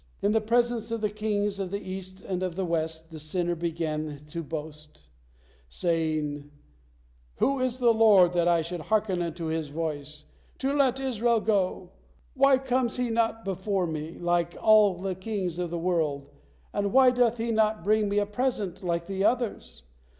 In the presence of the kings of the East and of the West, the sinner began to boast, saying: 'Who is the Lord, that I should hearken unto His voice, to let Israel go? Why comes He not before me, like all the kings of the world, and why doth He not bring me a present like the others?